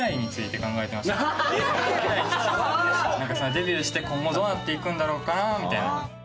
デビューして今後どうなっていくんだろうかなみたいな。